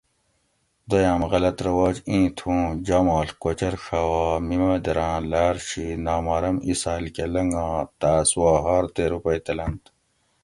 دویام غلط رواج ایں تھوؤں جاماڷ کوچر ڛاوا میمیدراں لاۤر شی نامحرم اِسال کہ لنگا تاۤس وا ھار تے روپئ تلنت